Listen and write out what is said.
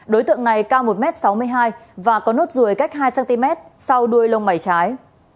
đối tượng này cao một m sáu mươi hai và có nốt ruồi cách hai cm sau đuôi lông mảy trái